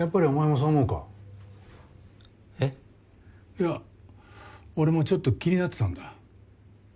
いや俺もちょっと気になってたんだ。